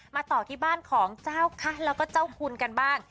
ต่อที่บ้านของเจ้าคะแล้วก็เจ้าคุณกันบ้าง